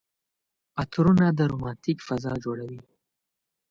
عطرونه د رومانتيک فضا جوړوي.